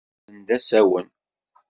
Mmuqqlen d asawen.